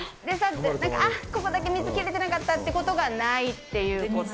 あっ、ここだけ水切れてなかったってことがないっていうこと。